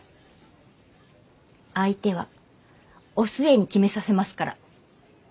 相手はお寿恵に決めさせますから。